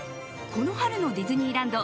この春のディズニーランド